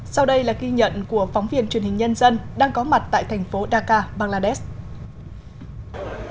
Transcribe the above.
sau đây là ghi nhận của phóng viên truyền hình nhân dân đang có mặt tại thành phố dhaka bangladesh